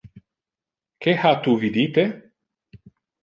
Que ha tu vidite?